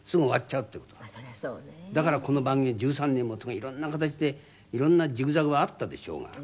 だからこの番組１３年もすごい色んな形で色んなジグザグがあったでしょうが。